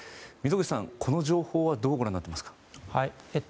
溝口さん、この情報はどうご覧になっていますか？